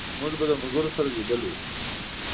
موږ به د ملګرو سره لیدل وکړو